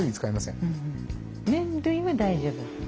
麺類は大丈夫？